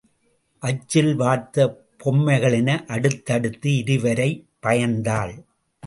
அச்சில் வார்த்த பொம்மைகள் என அடுத்து அடுத்து இருவரைப் பயந்தாள்.